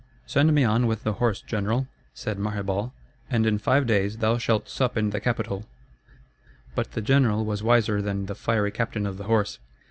"Send me on with the horse, general," said Maherbal, "and in five days thou shalt sup in the Capitol." But the general was wiser than the fiery captain of the horse.